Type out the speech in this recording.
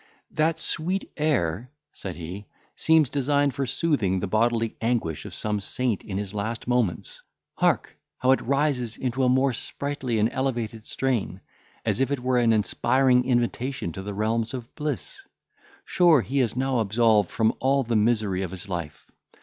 "That sweet air," said he, "seems designed for soothing the bodily anguish of some saint in his last moments. Hark! how it rises into a more sprightly and elevated strain, as if it were an inspiriting invitation to the realms of bliss! Sure, he is now absolved from all the misery of this life!